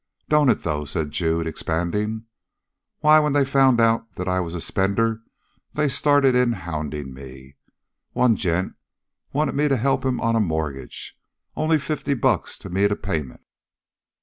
"Don't it, though?" said Jude, expanding. "Why, when they found that I was a spender they started in hounding me. One gent wanted me to help him on a mortgage only fifty bucks to meet a payment.